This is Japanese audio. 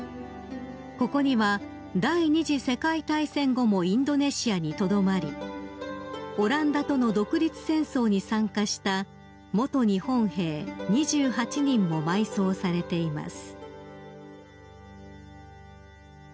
［ここには第２次世界大戦後もインドネシアにとどまりオランダとの独立戦争に参加した元日本兵２８人も埋葬されています］